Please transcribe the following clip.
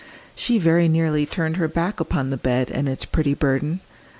She very nearly turned her back upon the bed and its pretty burden.